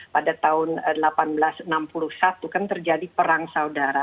pada tahun seribu delapan ratus enam puluh satu kan terjadi perang saudara